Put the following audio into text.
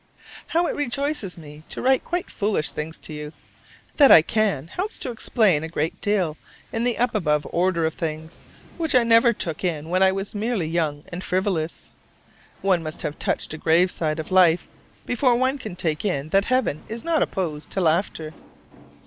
How it rejoices me to write quite foolish things to you! that I can helps to explain a great deal in the up above order of things, which I never took in when I was merely young and frivolous. One must have touched a grave side of life before one can take in that Heaven is not opposed to laughter.